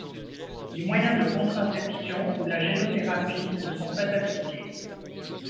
Les moyens de contraception ou la génothérapie ne sont pas appliqués.